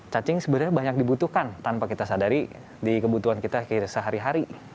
cacing sebenarnya banyak dibutuhkan tanpa kita sadari di kebutuhan kita sehari hari